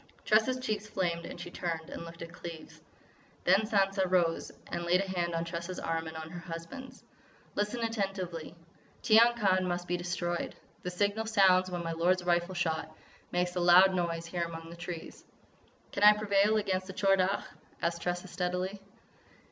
Tressa's cheeks flamed and she turned and looked at Cleves. Then Sansa rose and laid a hand on Tressa's arm and on her husband's: "Listen attentively. Tiyang Khan must be destroyed. The signal sounds when my lord's rifle shot makes a loud noise here among these trees." "Can I prevail against the Tchor Dagh?" asked Tressa, steadily.